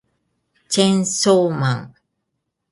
チェーンソーマン